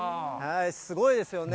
すごいですよね。